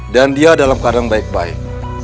dan dia dalam keadaan baik baik